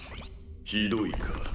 ひどいか。